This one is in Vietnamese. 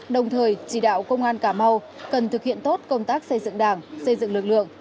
đồng thời chỉ đạo công an cà mau cần thực hiện tốt công tác xây dựng đảng xây dựng lực lượng